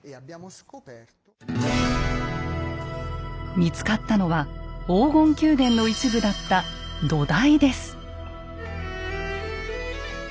見つかったのは黄金宮殿の一部だった「土台」です。